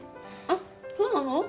あっそうなの？